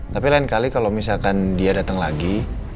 tapi lain kali kalau misalkan dia datang lagi